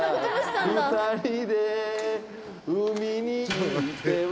２人で海に行っては